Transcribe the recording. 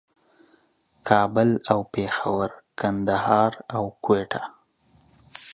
کابل او پېښور، کندهار او کوټه